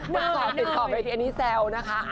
เกราะติดกรอบเวทีอันนี้แซวนะคะ